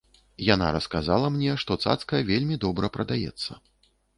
Яна расказала мне, што цацка вельмі добра прадаецца.